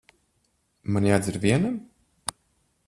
Man jādzer vienam?